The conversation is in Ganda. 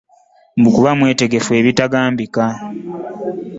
Mbu kuba mwetegefu ebitagambika.